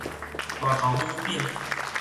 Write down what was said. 大頭拇反